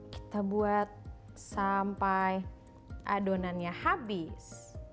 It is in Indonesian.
kita buat sampai adonannya habis